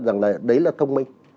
rằng là đấy là thông minh